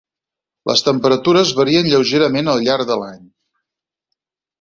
Les temperatures varien lleugerament al llarg de l'any.